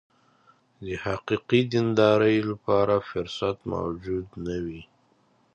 د حقیقي دیندارۍ لپاره فرصت موجود نه وي.